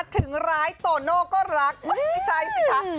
ถึงร้ายโตโน่ก็รักไม่ใช่สิคะ